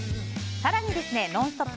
更に、「ノンストップ！」